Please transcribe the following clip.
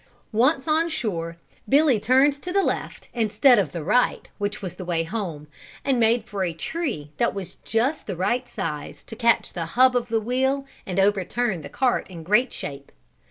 Once on shore, Billy turned to the left, instead of the right which was the way home, and made for a tree that was just the right size to catch the hub of the wheel and overturn the cart in great shape.